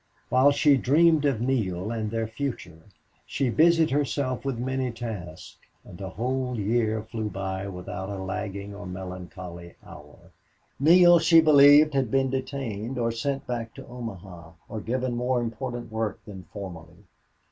While she dreamed of Neale and their future she busied herself with many tasks, and a whole year flew by without a lagging or melancholy hour. Neale, she believed, had been detained or sent back to Omaha, or given more important work than formerly.